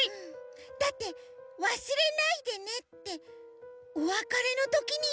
だって「わすれないでね」っておわかれのときにいうことばでしょ。